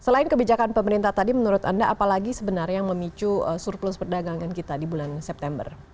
selain kebijakan pemerintah tadi menurut anda apalagi sebenarnya yang memicu surplus perdagangan kita di bulan september